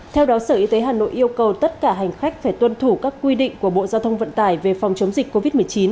theo đó sở y tế hà nội yêu cầu tất cả hành khách phải tuân thủ các quy định của bộ giao thông vận tải về phòng chống dịch covid một mươi chín